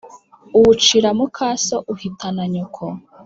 uwucira muka so uahitana nyoko